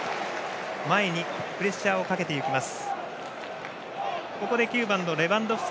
前にプレッシャーをかけます。